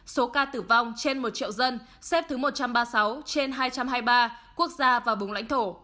số ca tử vong trên một triệu dân xếp thứ một trăm ba mươi sáu trên hai trăm hai mươi ba quốc gia và vùng lãnh thổ